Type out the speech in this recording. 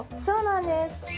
そうなんです。